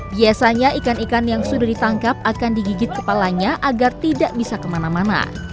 biasanya ikan ikan yang sudah ditangkap akan digigit kepalanya agar tidak bisa kemana mana